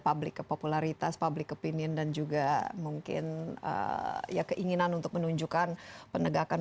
public ke popularitas public opinion dan juga mungkin ya keinginan untuk menunjukkan penegakan